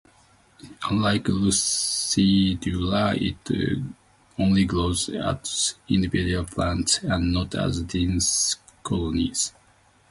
Unlike "lucidula", it only grows as individual plants and not as dense colonies.